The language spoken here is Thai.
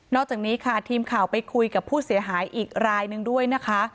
อกจากนี้ค่ะทีมข่าวไปคุยกับผู้เสียหายอีกรายนึงด้วยนะคะ